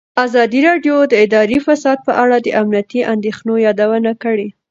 ازادي راډیو د اداري فساد په اړه د امنیتي اندېښنو یادونه کړې.